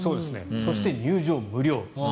そして入場無料。